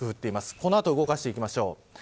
この後、動かしていきましょう。